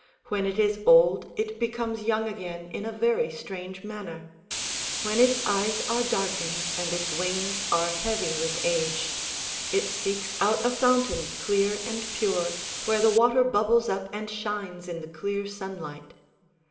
When it is old it becomes young again in a very strange manner. When its eyes are darkened and its wings are heavy with age, it seeks out a fountain clear and pure, where the water bubbles up and shines in the clear sunlight.